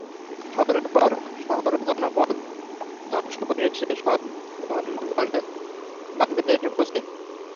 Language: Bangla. শহরের পর শহর ও জনপদ ধ্বংস করে সে সদলবলে বাগদাদে এসে পৌঁছে।